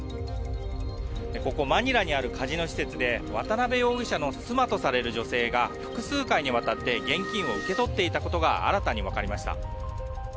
ここ、マニラにあるカジノ施設で渡邉容疑者の妻とされる女性が複数回にわたって現金を受け取っていたことが新たにわかりました。